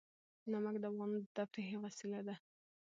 نمک د افغانانو د تفریح یوه وسیله ده.